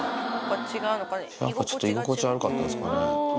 なんかちょっと居心地悪かったんですかね。